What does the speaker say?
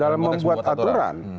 dalam membuat aturan